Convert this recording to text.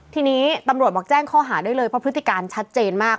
ทีนี้ตำรวจบอกแจ้งข้อหาได้เลยเพราะพฤติการชัดเจนมาก